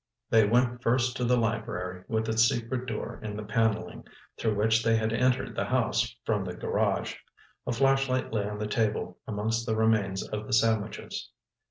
They went first to the library, with its secret door in the panelling, through which they had entered the house from the garage. A flashlight lay on the table, amongst the remains of the sandwiches.